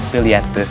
tuh lihat tuh